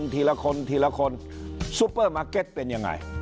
ทีละคนทีละคนซุปเปอร์มาร์เก็ตเป็นยังไง